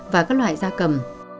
và các loại gia cầm